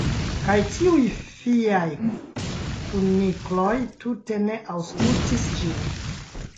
Kaj tiuj fiaj kunikloj tute ne aŭskultis ĝin!